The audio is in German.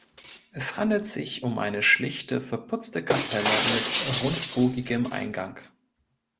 Es handelt sich um eine schlichte verputzte Kapelle mit rundbogigem Eingang.